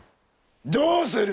どうする？